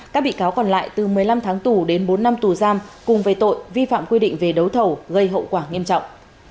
các bị cáo còn lại từ một mươi năm tháng tù đến bốn năm tù giam cùng về tội vi phạm quy định về đấu thầu gây hậu quả nghiêm trọng